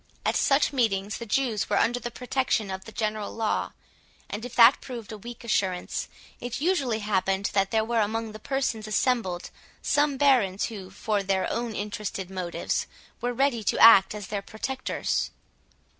At such meetings the Jews were under the protection of the general law; and if that proved a weak assurance, it usually happened that there were among the persons assembled some barons, who, for their own interested motives, were ready to act as their protectors.